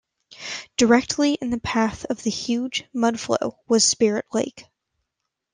Directly in the path of the huge mudflow was Spirit Lake.